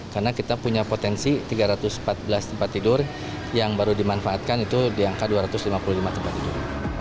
karena kita punya potensi tiga ratus empat belas tempat tidur yang baru dimanfaatkan itu di angka dua ratus lima puluh lima tempat tidur